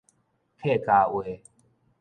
客家話